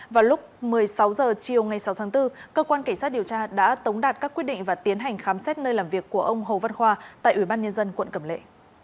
vào lúc một mươi sáu h chiều sáu tháng bốn cơ quan cảnh sát điều tra đã tống đạt các quyết định và tiến hành khám xét nơi làm việc của ông hồ văn khoa tại ubnd quận cẩm lệ